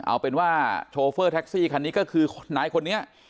เอาเป็นว่าโชเฟอร์แท็กซี่คันนี้ก็คือนายคนนี้